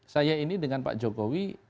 saya ini dengan pak jokowi